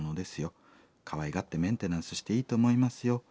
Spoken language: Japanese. かわいがってメンテナンスしていいと思いますよ。